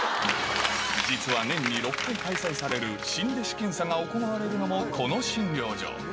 実は年に６回開催される新弟子検査が行われるのも、この診療所。